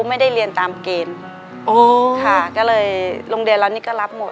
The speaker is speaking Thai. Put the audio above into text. ในแคมเปญพิเศษเกมต่อชีวิตโรงเรียนของหนู